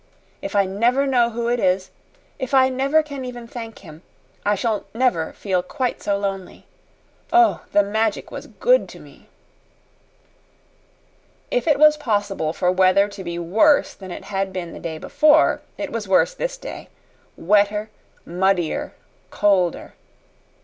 If I never know who it is if I never can even thank him I shall never feel quite so lonely. Oh, the Magic was GOOD to me!" If it was possible for weather to be worse than it had been the day before, it was worse this day wetter, muddier, colder.